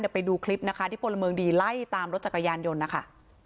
เดี๋ยวไปดูคลิปนะคะที่พลเมืองดีไล่ตามรถจักรยานยนต์นะคะ